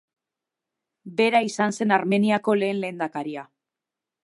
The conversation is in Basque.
Bera izan zen Armeniako lehen lehendakaria.